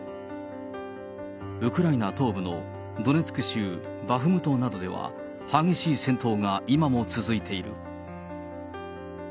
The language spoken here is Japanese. ウクライナ東部のドネツク州バフムトなどでは、激しい戦闘が今も続いている。